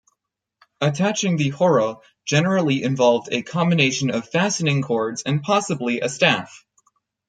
Attaching the "horo" generally involved a combination of fastening cords and possibly a staff.